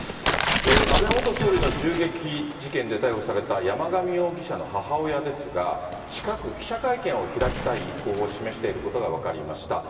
安倍元総理の銃撃事件で逮捕された山上容疑者の母親ですが、近く記者会見を開きたい意向を示していることが分かりました。